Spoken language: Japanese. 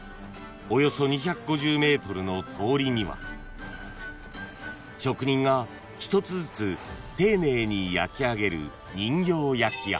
［およそ２５０ｍの通りには職人が一つずつ丁寧に焼き上げる人形焼や］